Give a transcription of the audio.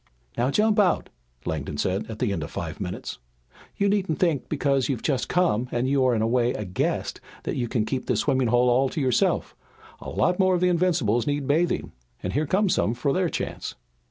"Now jump out," Langdon said at the end of five minutes. "You needn't think because you've just come and are in a way a guest, that you can keep this swimming hole all to yourself. A lot more of the Invincibles need bathing and here come some for their chance."